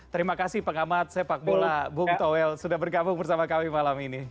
terima kasih pengamat sepak bola bu uthowel sudah berkabung bersama kami malam ini